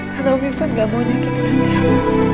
karena om irfan tidak mau nyakitkan dia